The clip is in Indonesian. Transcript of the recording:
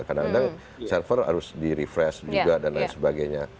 kadang kadang server harus di refresh juga dan lain sebagainya